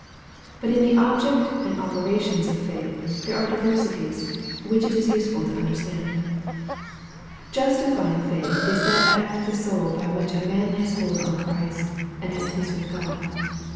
But in the object and operations of faith, there are diversities, which it is useful to under stand. Justifying faith is that act of the soul by which a man lays hold on Christ, and has peace with God.